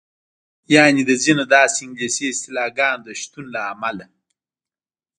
یعنې د ځینو داسې انګلیسي اصطلاحګانو د شتون له امله.